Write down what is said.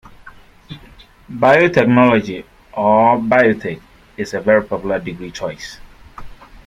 Biotechnology, or Biotech, is a very popular degree choice